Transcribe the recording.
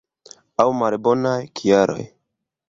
Aŭ malbonaj kialoj.